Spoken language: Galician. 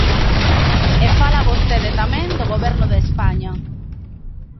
E fala vostede tamén do Goberno de España.